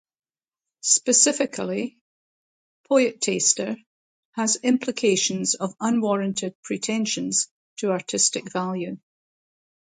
Specifically, "poetaster" has implications of unwarranted pretensions to artistic value.